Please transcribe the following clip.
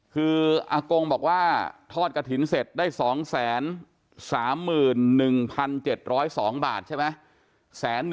คืออากงบอกว่าทอดกระถิ่นเสร็จได้๒๓๑๗๐๒บาทใช่ไหม